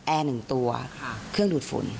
แอร์หนึ่งตัวเครื่องดูดฝุ่น